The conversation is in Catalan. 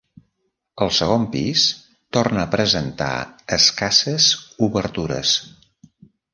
El segon pis torna a presentar escasses obertures.